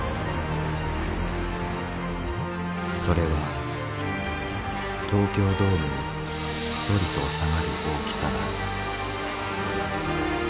それは東京ドームにすっぽりと収まる大きさだ。